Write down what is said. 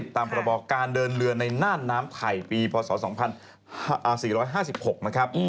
ตามประบอการเดินเรือในน่านน้ำไทยปีพศ๒๔๕๖นะครับ